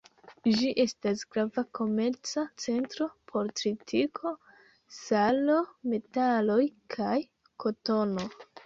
Ĝi estas grava komerca centro por tritiko, salo, metaloj kaj kotono.